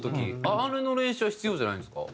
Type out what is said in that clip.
あれの練習は必要じゃないんですか？